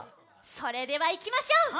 それではいきましょう！